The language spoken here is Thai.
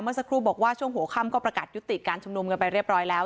สักครู่บอกว่าช่วงหัวค่ำก็ประกาศยุติการชุมนุมกันไปเรียบร้อยแล้ว